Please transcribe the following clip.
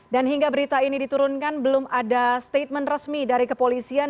dan hingga berita ini diturunkan belum ada statement resmi dari kepolisian